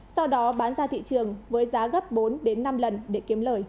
sau đó bán ra thị trường với giá gấp bốn đến năm lần để kiếm lời